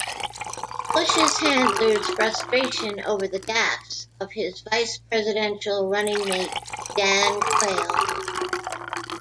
Bush's handlers' frustration over the gaffes of his vice presidential running-mate Dan Quayle.